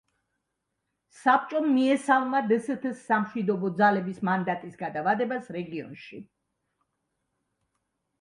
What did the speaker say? საბჭომ მიესალმა დსთ-ს სამშვიდობო ძალების მანდატის გადავადებას რეგიონში.